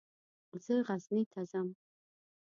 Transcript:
زه غزني ته ځم.